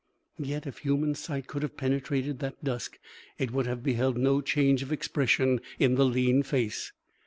Yet if human sight could have penetrated that dusk, it would have beheld no change of expression in the lean face.